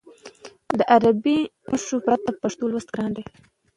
د عربي نښو پرته پښتو لوستل ګران دي.